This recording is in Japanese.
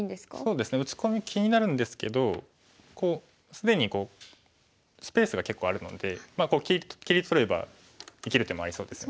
打ち込み気になるんですけどこう既にスペースが結構あるので切り取れば生きる手もありそうですよね。